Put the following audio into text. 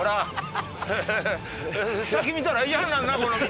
先見たらイヤになるなこの道。